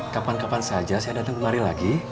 kapan kapan saja saya dateng kembali lagi